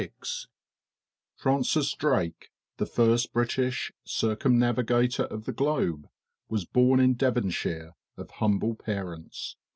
[TN]] Francis Drake, the first British circumnavigator of the globe, was born in Devonshire, of humble parents.